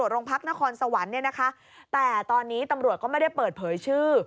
โรงพักนครสวรรค์เนี่ยนะคะแต่ตอนนี้ตำรวจก็ไม่ได้เปิดเผยชื่อ